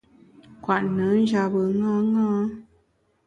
Kwet nùn njap bùn ṅaṅâ.